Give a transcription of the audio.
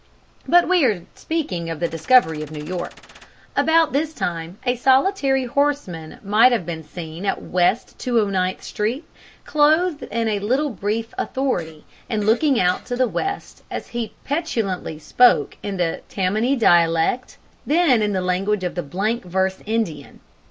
But we are speaking of the discovery of New York. About this time a solitary horseman might have been seen at West 209th Street, clothed in a little brief authority, and looking out to the west as he petulantly spoke in the Tammany dialect, then in the language of the blank verse Indian.